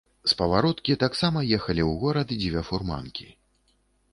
З павароткі таксама ехалі ў горад дзве фурманкі.